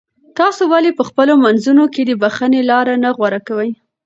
تاسو ولې په خپلو منځونو کې د بښنې لاره نه غوره کوئ؟